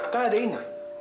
kan ada ina